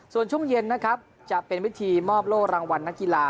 ส่วนช่วงเย็นนะครับจะเป็นวิธีมอบโล่รางวัลนักกีฬา